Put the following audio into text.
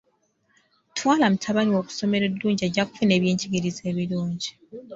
Twala mutabani wo ku ssomero eddungi ajja kufuna ebyenjigiriza ebirungi.